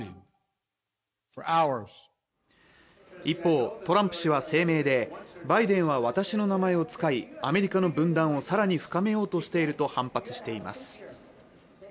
一方トランプ氏は声明でバイデンは私の名前を使いアメリカの分断をさらに深めようとしていると反発しています